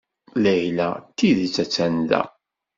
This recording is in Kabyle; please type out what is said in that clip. Layla d tidet a-tt-an da.